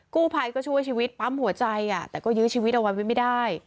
กู้ภัยก็ช่วยชีวิตปั๊มหัวใจแต่ก็ยื้อชีวิตเอาไว้ไม่ได้